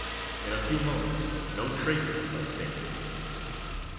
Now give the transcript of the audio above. In a few moments no trace of the blood stain could be seen.